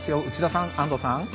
内田さん、安藤さん。